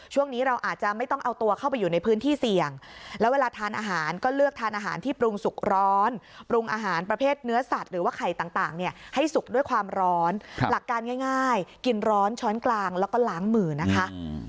ช่วงนี้เราอาจจะไม่ต้องเอาตัวเข้าไปอยู่ในพื้นที่เสี่ยงแล้วเวลาทานอาหารก็เลือกทานอาหารที่ปรุงสุกร้อนปรุงอาหารประเภทเนื้อสัตว์หรือว่าไข่ต่างเนี่ยให้สุกด้วยความร้อนหลักการง่ายกินร้อนช้อนกลางแล้วก็ล้างมือนะคะ